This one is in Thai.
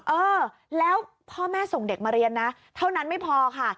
เออแล้วพ่อแม่ส่งเด็กมาเรียนนะเท่านั้นไม่พอค่ะ